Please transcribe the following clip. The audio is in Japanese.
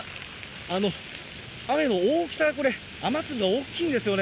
雨の大きさがこれ、雨粒が大きいんですよね。